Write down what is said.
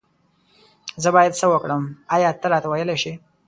زه بايد سه وکړم آيا ته راته ويلي شي